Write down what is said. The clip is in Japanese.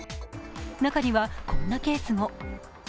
中にはこんなケースも。